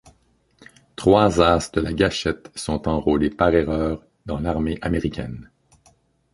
Trois as de la gâchette sont enrôlés par erreur dans l'armée américaine.